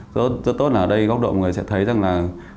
rất tốt ở đây góc độ người sẽ thấy rằng là